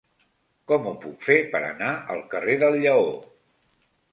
Com ho puc fer per anar al carrer del Lleó?